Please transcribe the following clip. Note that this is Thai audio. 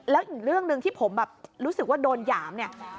แล้วอีกเรื่องหนึ่งที่ผมแบบรู้สึกว่าโดนหยามเนี่ย